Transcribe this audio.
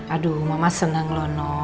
aduh mama seneng loh no